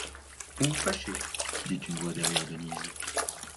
Vous vous fâchez ? dit une voix derrière Denise.